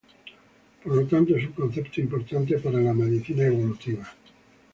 Por lo tanto es un concepto importante para la medicina evolutiva.